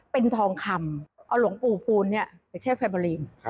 เป็นทองคำเอาหลวงปู่พูลเนี่ยเจ้าเชฟแฟมอรีน